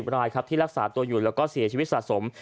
รายครับที่รักษาตัวอยู่แล้วก็เสียชีวิตสะสม